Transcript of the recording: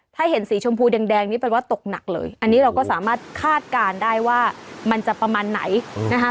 ถ้าเห็นสีชมพูแดงนี่แปลว่าตกหนักเลยอันนี้เราก็สามารถคาดการณ์ได้ว่ามันจะประมาณไหนนะคะ